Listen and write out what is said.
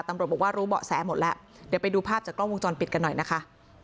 ตำรวจบอกว่ารู้เบาะแสหมดแล้วเดี๋ยวไปดูภาพจากกล้องวงจรปิดกันหน่อยนะคะ